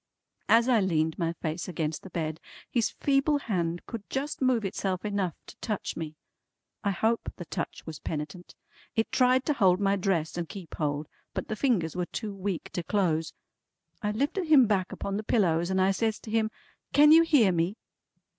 As I leaned my face against the bed, his feeble hand could just move itself enough to touch me. I hope the touch was penitent. It tried to hold my dress and keep hold, but the fingers were too weak to close. I lifted him back upon the pillows and I says to him: "Can you hear me?"